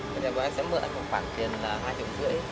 thế thì bọn anh sẽ mượn một khoản tiền là hai triệu rưỡi